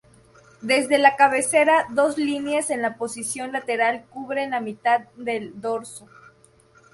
Desde la cabecera, dos líneas en la posición lateral cubren la mitad del dorso.